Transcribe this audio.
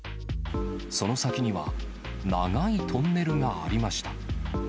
その先には、長いトンネルがありました。